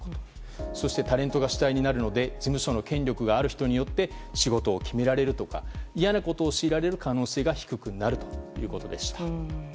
そしてタレントが主体になるので事務所の権力がある人によって仕事を決められるとか嫌なことを強いられる可能性が低くなるということでした。